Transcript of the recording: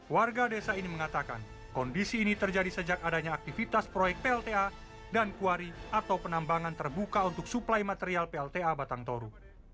warga desa ini mengatakan kondisi ini terjadi sejak adanya aktivitas proyek plta dan kuari atau penambangan terbuka untuk suplai material plta batang toru